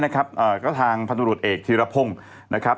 ก็ทางพนับรุษเอกธีรพงศ์